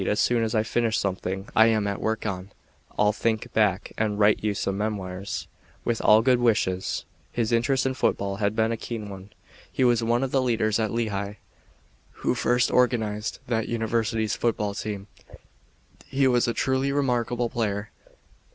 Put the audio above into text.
As soon as I finish something I am at work on, I'll "think back", and write you some memoirs. With all good wishes Richard Harding Davis] His interest in football had been a keen one. He was one of the leaders at Lehigh, who first organized that University's football team. He was a truly remarkable player.